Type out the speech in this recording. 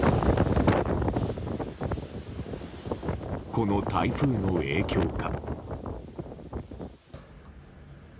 この台風の影響か。